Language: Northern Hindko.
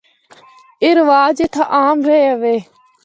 اے رواج اتھا عام رہیا وے۔